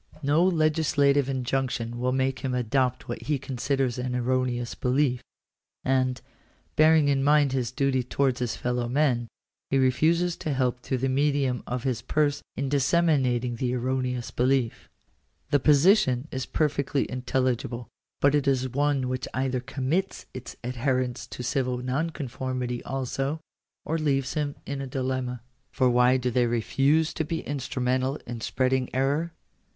No legislative injunction will make him adopt what he considers an erroneous belief; and, bearing in mind his duty towards his fellow men, he refuses to help Digitized by VjOOQIC THE RIGHT TO IGNORE THE STATE. 215 through the medium of his purse in disseminating this erroneous belief. The position is perfectly intelligible. But it is one which either commits its adherents to civil nonconformity also, or leaves them in a dilemma. For why do they refuse to be instrumental in spreading error?